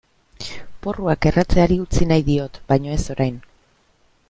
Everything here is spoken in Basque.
Porruak erretzeari utzi nahi diot baina ez orain.